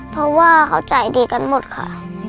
เพราะว่าเขาใจดีกันหมดค่ะ